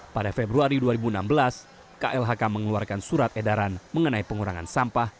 pada februari dua ribu enam belas klhk mengeluarkan surat edaran mengenai pengurangan sampah